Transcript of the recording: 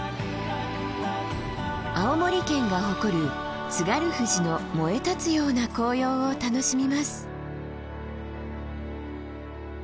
青森県が誇る津軽富士の燃え立つような紅葉を楽しみます。